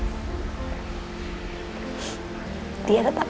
dia tetap sayang sama abi